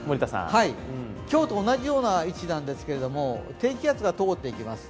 今日と同じような位置なんですけれども、低気圧が通っていきます。